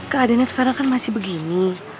keadaannya sekarang kan masih begini